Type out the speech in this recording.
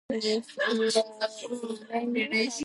Everyone invites Daphnis to accept his reward.